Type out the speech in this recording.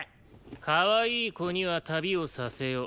「かわいい子には旅をさせよ」。